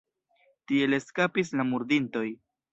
Tiel eskapis la murdintoj.